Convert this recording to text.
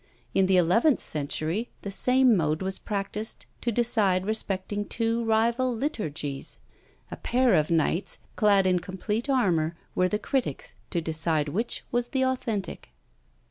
In the eleventh century the same mode was practised to decide respecting two rival Liturgies! A pair of knights, clad in complete armour, were the critics to decide which was the authentic.